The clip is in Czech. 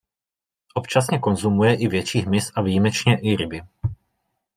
Občasně konzumuje i větší hmyz a výjimečně i ryby.